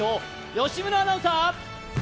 吉村アナウンサー。